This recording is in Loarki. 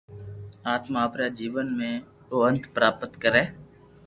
آتما آپري آ جيون رو انت پراپت ڪري